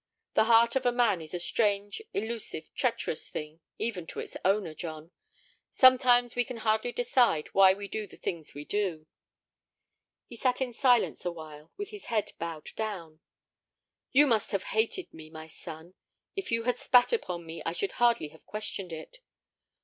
The heart of a man is a strange, elusive, treacherous thing, even to its owner, John. Sometimes we can hardly decide why we do the things we do." He sat in silence awhile, with his head bowed down. "You must have hated me, my son; if you had spat upon me, I should hardly have questioned it.